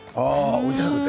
おいしくて。